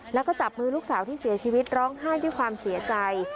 แล้วก็จับมือลูกสาวที่เสียชีวิตร้องไห้ด้วยความเสียใจ